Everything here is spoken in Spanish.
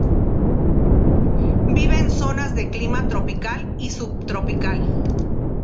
Vive en zonas de clima tropical, y sub-tropical.